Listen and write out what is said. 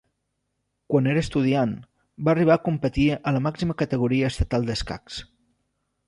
Quan era estudiant, va arribar a competir a la màxima categoria estatal d'escacs.